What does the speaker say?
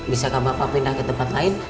bisa kak bapak pindah ke tempat lain